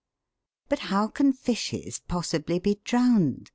" But how can fishes possibly be drowned